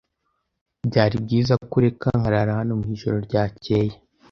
Byari byiza ko ureka nkarara hano mwijoro ryakeye.